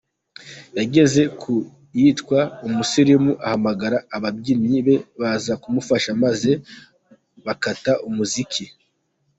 Yageze ku yitwa ’Umusirimu’ ahamagara ababyinnyi be baza kumufasha maze bakata umuziki.